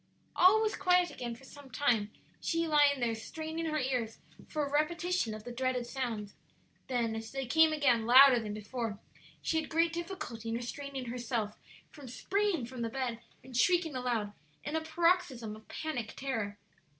All was quiet again for some time, she lying there, straining her ears for a repetition of the dreaded sounds; then, as they came again louder than before, she had great difficulty in restraining herself from springing from the bed and shrieking aloud, in a paroxysm of panic terror.